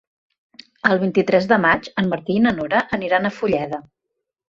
El vint-i-tres de maig en Martí i na Nora aniran a Fulleda.